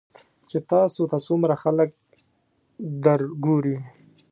چې تاسو ته څومره خلک درګوري .